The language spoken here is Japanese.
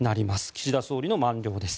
岸田総理の満了です。